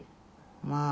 まあ